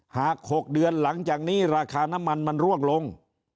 หาก๖เดือนหลังจากนี้ราคาน้ำมันมันร่วงลง